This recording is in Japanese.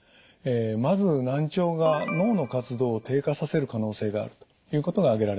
まず難聴が脳の活動を低下させる可能性があるということが挙げられます。